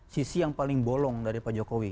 sisi yang paling bolong dari pak jokowi